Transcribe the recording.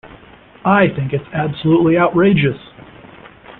I think it's absolutely outrageous.